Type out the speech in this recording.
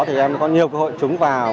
thì em có nhiều cơ hội trúng vào